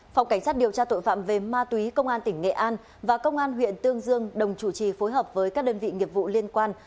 phòng cảnh sát điều tra tội phạm về ma túy công an tỉnh nghệ an và công an huyện tương dương đồng chủ trì phối hợp với các đơn vị nghiệp vụ liên quan